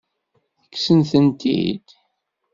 Kksen-tent-id?